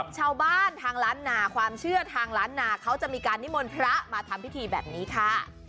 ชาวบ้านทางล้านนาความเชื่อทางล้านนาเขาจะมีการนิมนต์พระมาทำพิธีแบบนี้ค่ะ